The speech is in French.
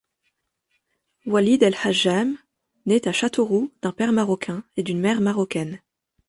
Oualid El Hajjam naît à Châteauroux d'un père marocain et d'une mèremarocaine.